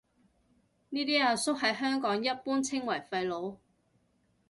呢啲阿叔喺香港一般稱為廢老